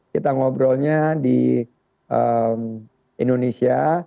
kita ngobrolnya di indonesia